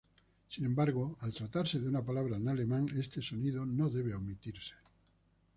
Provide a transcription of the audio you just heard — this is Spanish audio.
Sin embargo, al tratarse de una palabra en alemán, este sonido no debe omitirse.